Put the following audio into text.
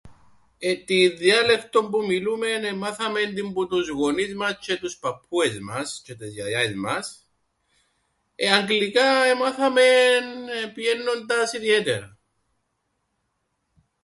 Εεε... την διάλεκτον που μιλούμεν εμάθαμεν την που τους γονείς μας τζ̆αι τους παππούες μας τζ̆αι τες γιαγάες μας ε... αγγλικά εμάθαμεν πηαίννοντας ιδιαίτερα.